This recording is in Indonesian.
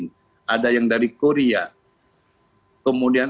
pabrik sudah ada di rp satu